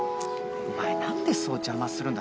お前なんでそう邪魔するんだ。